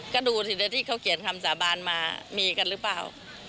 ก็ดูสิที่เขาเขียนคำสาบานมามีกันหรือเปล่า